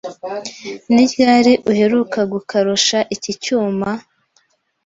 Ni ryari uheruka gukarosha iki cyuma?